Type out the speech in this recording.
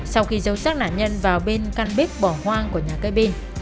sau khi giấu sát nạn nhân vào bên căn bếp bỏ hoang của nhà cây bên